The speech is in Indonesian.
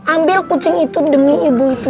ambil kucing itu demi ibu itu